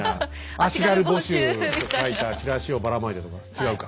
「足軽募集」って書いたチラシをばらまいたとか。